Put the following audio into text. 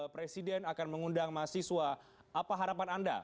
presiden akan mengundang mahasiswa apa harapan anda